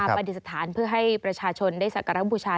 ปฏิสถานเพื่อให้ประชาชนได้สักการะบูชา